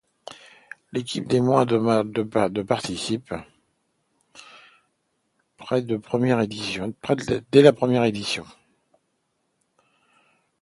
L'équipe des moins de participe dès la première édition.